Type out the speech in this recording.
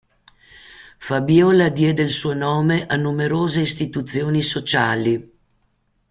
Fabiola diede il suo nome a numerose istituzioni sociali.